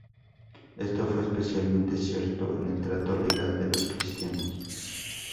Esto fue especialmente cierto en el trato legal de los cristianos.